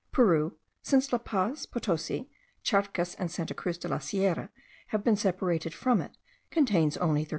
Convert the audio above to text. Peru, since La Paz, Potosi, Charcas and Santa Cruz de la Sierra, have been separated from it, contains only 30,000.